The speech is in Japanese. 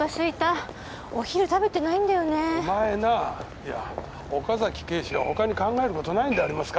いや岡崎警視は他に考えることないんでありますか？